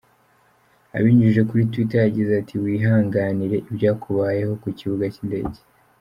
Abinyujije kuri Twitter yagize ati “ Wihanganire ibyakubayeho ku kibuga cy’indege.